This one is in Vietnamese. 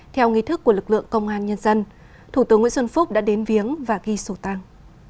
theo nghi thức của lực lượng công an nhân dân thủ tướng nguyễn xuân phúc đã đến viếng và ghi sổ tăng